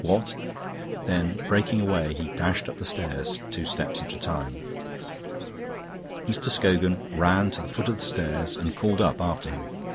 "What?" Then breaking away he dashed up the stairs, two steps at a time. Mr. Scogan ran to the foot of the stairs and called up after him.